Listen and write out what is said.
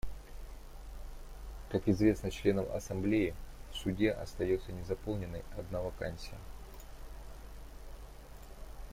Как известно членам Ассамблеи, в Суде остается незаполненной одна вакансия.